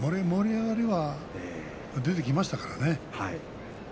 盛り上がりが出てきましたからね。